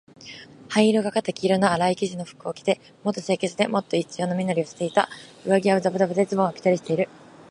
灰色がかった黄色のあらい生地の服を着て、もっと清潔で、もっと一様な身なりをしていた。上衣はだぶだぶで、ズボンはぴったりしている。